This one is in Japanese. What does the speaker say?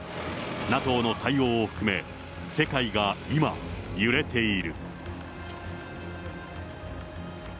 ＮＡＴＯの対応を含め、世界が今、揺れている。